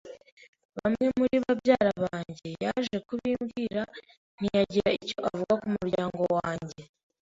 Umwe muri babyara banjye yaje kubimbwira, ntiyagira icyo avuga ku muryango wanjye